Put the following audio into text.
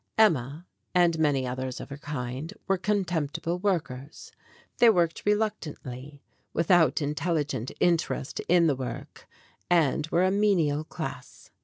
Emma and many others of her kind were contemptible workers they worked reluctantly, without intelligent interest in the work, and were a menial class.